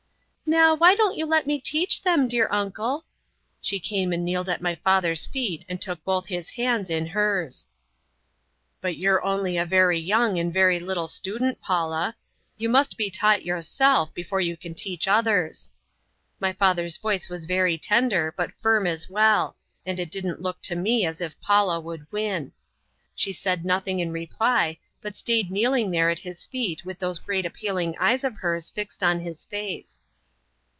"Now, why won't you let me teach them, dear uncle?" She came and kneeled at my father's feet, and took both his hands in hers. "But you're only a very young and very little student, Paula. You must be taught yourself before you can teach others." My father's voice was very tender, but firm as well, and it didn't look to me as if Paula would win. She said nothing in reply, but stayed kneeling there at his feet with those great appealing eyes of hers fixed on his face.